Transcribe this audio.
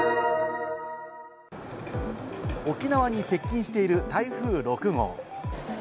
沖縄に接近している台風６号。